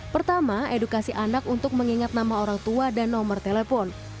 pertama edukasi anak untuk mengingat nama orang tua dan nomor telepon